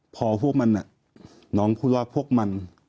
พอพวกมันน้องพูดว่าพวกมัน